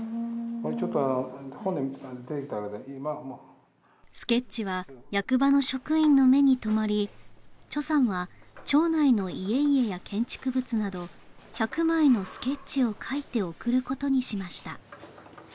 これちょっとほんでデジタルで今はもうスケッチは役場の職員の目に留まりさんは町内の家々や建築物など１００枚のスケッチを描いて贈ることにしました